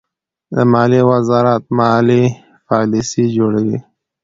د مالیې وزارت مالي پالیسۍ جوړوي.